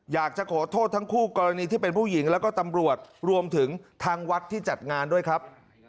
อยากจะขอโทษทั้งคู่กรณีที่เป็นผู้หญิงแล้วก็ตำรวจรวมถึงทางวัดที่จัดงานด้วยครับ